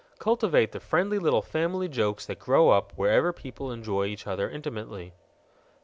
Cultivate the friendly little family jokes that grow up wherever people enjoy each other intimately.